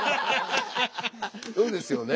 そうですよね。